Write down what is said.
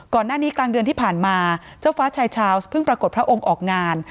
ก่อนหน้านี้กลางเดือนที่ผ่านมาเจ้าฟ้าชายชาวส์เพิ่งปรากฏพระองค์ออกงาน